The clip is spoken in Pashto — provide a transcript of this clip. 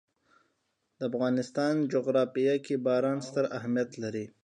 د افغانستان جغرافیه کې باران ستر اهمیت لري.